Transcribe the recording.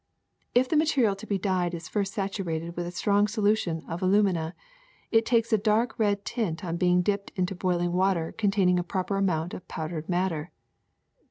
If the material to be dyed is first saturated with a strong solution of alumina, it takes a dark red tint on being dipped into boiling water containing a proper amount of powdered madder.